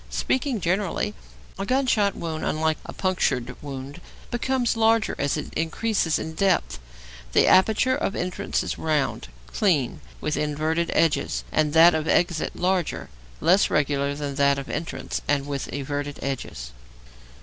Speaking generally, a gunshot wound, unlike a punctured wound, becomes larger as it increases in depth; the aperture of entrance is round, clean, with inverted edges, and that of exit larger, less regular than that of entrance, and with everted edges.